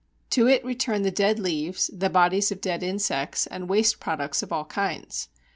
To it return the dead leaves, the bodies of dead insects, and waste products of all kinds.